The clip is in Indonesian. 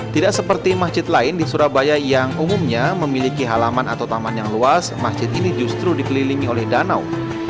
tidak seperti masjid lain di surabaya yang umumnya memiliki halaman atau taman yang luas masjid ini justru dikelilingi oleh danau